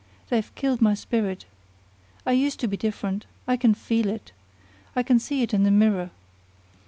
They've killed my spirit. I used to be different. I can feel it. I can see it in the mirror.